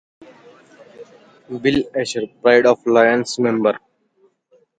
Bill Asher: "Pride of Lions" member.